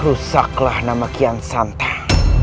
rusaklah namakian santai